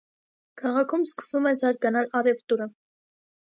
Քաղաքում սկսում է զարգանալ առևտուրը։